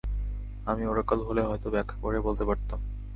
আমি ওরাকল হলে হয়তো ব্যাখ্যা করে বলতে পারতাম।